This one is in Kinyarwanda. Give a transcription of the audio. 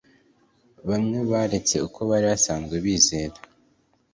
Bamwe baretse uko bari basanzwe bizera